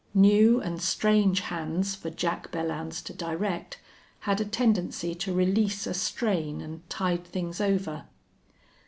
New and strange hands for Jack Belllounds to direct had a tendency to release a strain and tide things over.